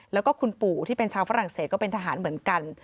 แล้วก็คุณปู่ที่เป็นชาวฝรั่งเศสก็เป็นทหารเหมือนกัน